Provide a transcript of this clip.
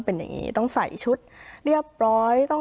เพราะฉะนั้นทำไมถึงต้องทำภาพจำในโรงเรียนให้เหมือนกัน